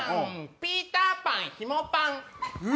ピーターパン、ひもパン。